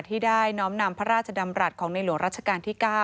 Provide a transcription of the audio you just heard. ที่ได้น้อมนำพระราชดำรัฐของในหลวงรัชกาลที่๙